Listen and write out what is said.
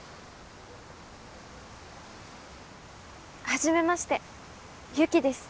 はじめまして雪です。